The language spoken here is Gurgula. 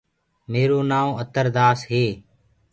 ميرو نآئونٚ اتر داس هي.